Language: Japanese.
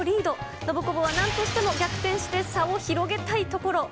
ノブコブはなんとしても逆転して差を広げたいところ。